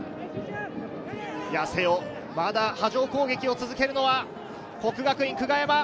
八瀬尾、まだ波状攻撃を続けるのは國學院久我山。